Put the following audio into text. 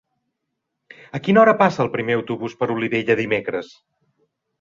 A quina hora passa el primer autobús per Olivella dimecres?